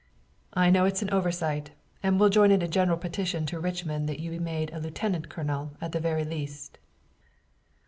I know it's an oversight, and we'll join in a general petition to Richmond that you be made a lieutenant colonel at the very least."